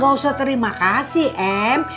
gak usah terima kasih m